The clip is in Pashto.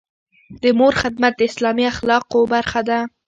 د مور خدمت د اسلامي اخلاقو برخه ده.